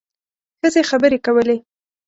ښځې خبرې کولې.